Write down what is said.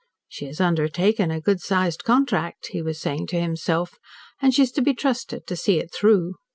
"She has undertaken a good sized contract," he was saying to himself, "and she's to be trusted to see it through.